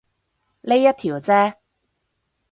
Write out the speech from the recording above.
呢一條啫